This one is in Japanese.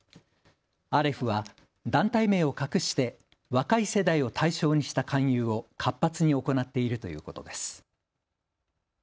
アレフは団体名を隠して若い世代を対象にした勧誘を活発に行っているということです。